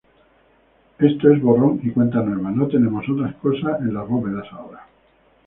Esto es borrón y cuenta nueva, no tenemos otra cosa en las bóvedas ahora.